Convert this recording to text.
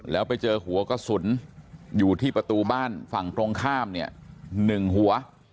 แล้วไปเจอหัวกระสุนอยู่ที่ประตูบ้านฝั่งตรงข้ามเนี่ย๑หัว